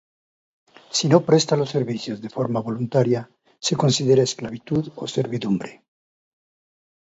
Si no presta los servicios de forma voluntaria, se considera esclavitud o servidumbre.